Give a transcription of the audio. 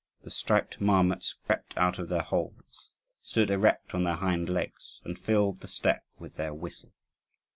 The striped marmots crept out of their holes, stood erect on their hind legs, and filled the steppe with their whistle.